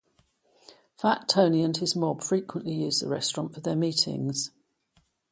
Fat Tony and his mob frequently use the restaurant for their meetings.